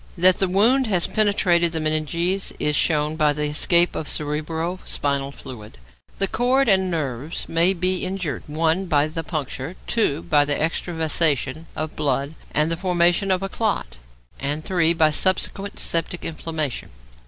That the wound has penetrated the meninges is shown by the escape of cerebro spinal fluid. The cord and nerves may be injured (1) by the puncture; (2) by extravasation of blood and the formation of a clot; and (3) by subsequent septic inflammation.